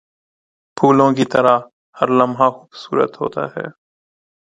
پھولوں کی طرح ہر لمحہ خوبصورت ہوتا ہے۔